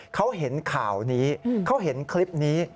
เขาเห็นข่าวนี้เขาเห็นคลิปนี้